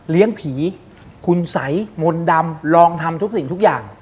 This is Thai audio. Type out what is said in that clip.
ผีคุณสัยมนต์ดำลองทำทุกสิ่งทุกอย่าง